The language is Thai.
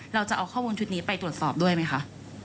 เราจะเอาข้อมูลชุดนี้ไปตรวจสอบด้วยไหมคะ